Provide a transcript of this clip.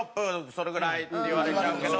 それぐらい」って言われちゃうけど。